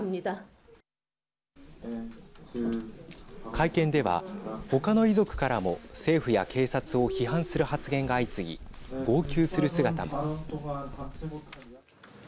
会見では、他の遺族からも政府や警察を批判する発言が相次ぎ号泣する姿も。